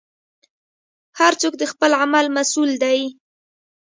هر څوک د خپل عمل مسوول دی.